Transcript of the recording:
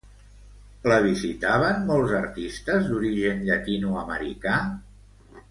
La visitaven molts artistes d'origen llatinoamericà?